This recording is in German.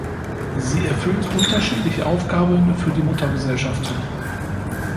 Sie erfüllt unterschiedliche Aufgaben für die Muttergesellschaften.